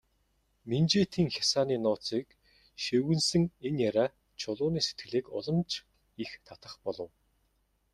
Минжээтийн хясааны нууцыг шивгэнэсэн энэ яриа Чулууны сэтгэлийг улам ч их татах болов.